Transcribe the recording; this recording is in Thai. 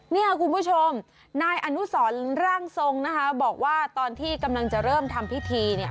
เนี่ยคุณผู้ชมนายอนุสรร่างทรงนะคะบอกว่าตอนที่กำลังจะเริ่มทำพิธีเนี่ย